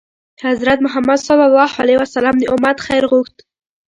حضرت محمد ﷺ د امت خیر غوښت.